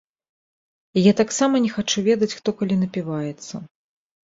І я таксама не хачу ведаць, хто калі напіваецца.